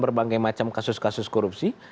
berbagai macam kasus kasus korupsi